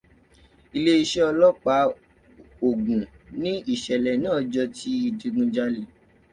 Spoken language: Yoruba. Iléeṣẹ́ ọlọ́pàá Ògùn ní ìṣẹ̀lẹ̀ náà jọ ti ìdigunjalè.